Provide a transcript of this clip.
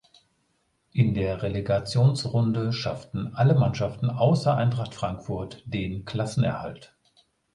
In der Relegationsrunde schafften alle Mannschaften außer Eintracht Frankfurt den Klassenerhalt.